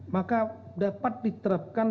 maka dapat diterapkan